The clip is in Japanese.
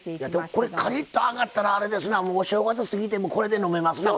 これ、カリッと揚がったらお正月を過ぎてもこれで、飲めますな。